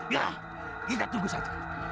ya kita tunggu saja